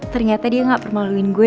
ternyata dia gak permaluin gue